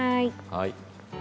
はい。